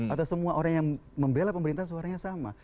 atau semua orang yang membela pemerintah suaranya sama